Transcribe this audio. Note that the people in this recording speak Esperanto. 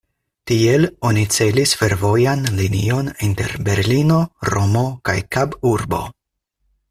Tiel oni celis fervojan linion inter Berlino, Romo kaj Kaburbo.